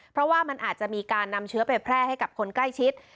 เพราะว่ามันอาจจะมีการนำเชื้อไปแพร่ให้กับคนใกล้ชิด